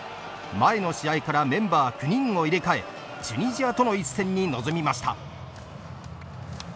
前の試合からメンバー９人を入れ替えチュニジアとの一戦に臨みました。